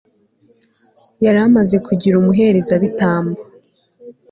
yari amaze kugira umuherezabitambo